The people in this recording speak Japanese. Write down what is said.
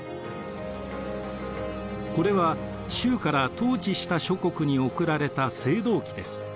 これは周から統治した諸国に送られた青銅器です。